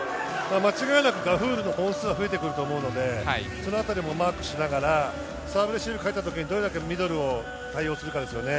間違いなくガフールのコースが増えてくると思うので、そのあたりもマークしながらサーブレシーブに入った時どれだけミドルに対応するかですよね。